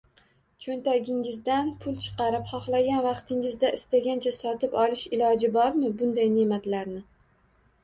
Cho‘ntagingizdan pul chiqarib, xohlagan vaqtingizda istagancha sotib olish iloji bormi bunday ne’matlarni?